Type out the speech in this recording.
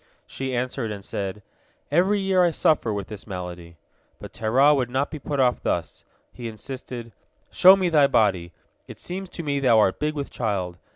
She answered, and said, "Every year I suffer with this malady." But Terah would not be put off thus. He insisted: "Show me thy body. It seems to me thou art big with child.